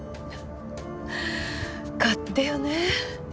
勝手よね。